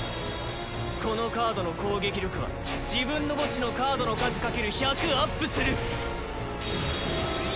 このカードの攻撃力は自分の墓地のカードの数かける１００アップする！